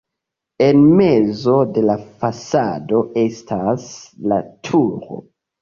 En mezo de la fasado estas la turo.